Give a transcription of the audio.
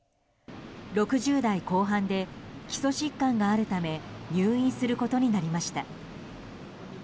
６０代後半で基礎疾患があるため入院することになりました。